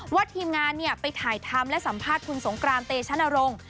ทีมงานไปถ่ายทำและสัมภาษณ์คุณสงกรานเตชนรงค์